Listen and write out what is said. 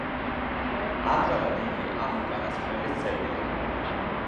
ამჟამად იგი ამ უკანასკნელის წევრია.